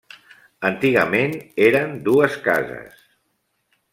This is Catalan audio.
Antigament eren dues cases.